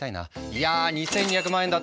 いや２２００万円だって。